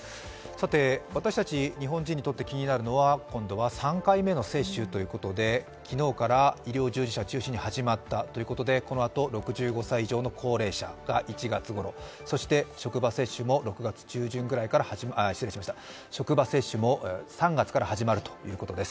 私たち日本人にとって気になるのは３回目の接種ということで昨日から医療従事者中心に始まったということでこのあと、６５歳以上の高齢者が１月ごろ、そして職場接種も３月から始まるということです。